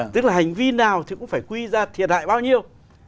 tức là hành vi nào thì cũng phải quy ra thiệt hại bao nhiêu